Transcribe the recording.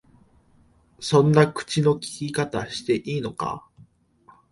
そんな口の利き方していいのか？